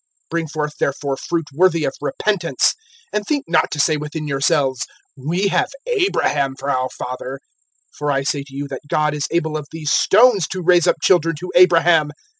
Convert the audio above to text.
(8)Bring forth therefore fruit worthy of repentance; (9)and think not to say within yourselves, We have Abraham for our father; for I say to you, that God is able of these stones to raise up children to Abraham.